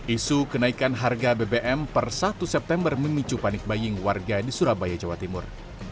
isu kenaikan harga bbm per satu september memicu panik baying warga di surabaya jawa timur